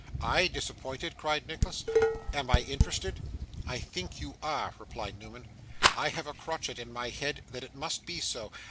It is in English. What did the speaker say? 'I disappointed!' cried Nicholas; 'am I interested?' 'I think you are,' replied Newman. 'I have a crotchet in my head that it must be so.